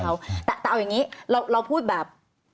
แต่เอาอย่างนี้เราพูดแบบ